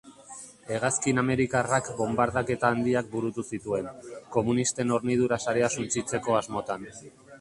Hegazkin amerikarrak bonbardaketa handiak burutu zituen, komunisten hornidura-sarea suntsitzeko asmotan.